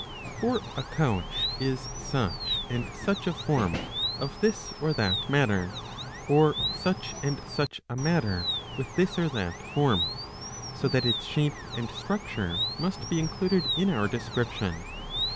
For a couch is such and such a form of this or that matter, or such and such a matter 640 b. O 1. I. with this or that form ; so that its shape and structure must be included in our description.